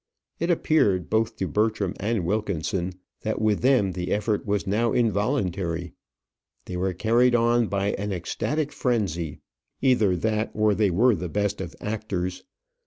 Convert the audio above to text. It appeared, both to Bertram and Wilkinson, that with them the effort was now involuntary. They were carried on by an ecstatic frenzy; either that or they were the best of actors.